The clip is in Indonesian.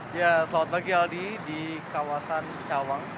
ya selamat pagi aldi di kawasan cawang